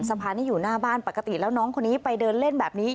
สะพานนี้อยู่หน้าบ้านปกติแล้วน้องคนนี้ไปเดินเล่นแบบนี้